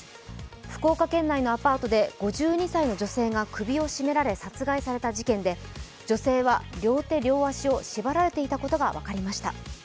福岡県内のアパートで５２歳の女性が首を絞められ殺害された事件で女性は両手両足を縛られていたことが分かりました。